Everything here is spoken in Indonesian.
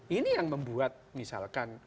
ini yang membuat misalkan